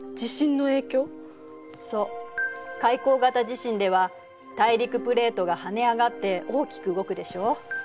海溝型地震では大陸プレートが跳ね上がって大きく動くでしょ。